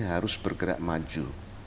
harus bergerak maju